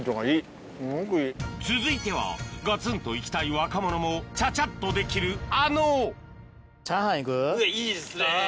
続いてはガツンといきたい若者もちゃちゃっとできるあのチャーハンいこうよ。